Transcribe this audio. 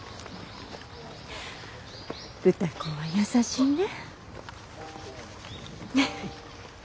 歌子は優しいね。